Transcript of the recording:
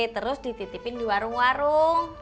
terus dititipin di warung warung